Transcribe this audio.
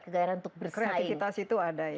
kegairahan untuk bersaing kreatifitas itu ada ya